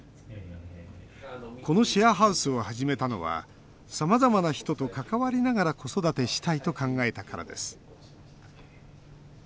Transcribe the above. このシェアハウスを始めたのはさまざまな人と関わりながら子育てしたいと考えたからです。